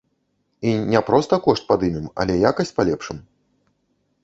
І не проста кошт падымем, але якасць палепшым.